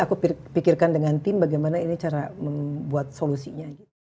aku pikirkan dengan tim bagaimana ini cara membuat solusinya